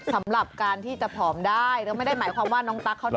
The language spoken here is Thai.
สำหรับการที่จะผอมได้แล้วไม่ได้หมายความว่าน้องตั๊กเขาจะ